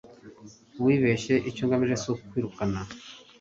wibeshye icyo ngamije sukukwirukana